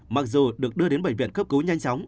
mặc dù được đưa đến bệnh viện cấp cứu nhanh chóng